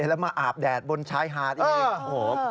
แล้วมาอาบแดดบนชายหาดเอง